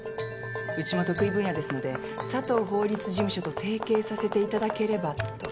ウチも得意分野ですので佐藤法律事務所と提携させていただければと。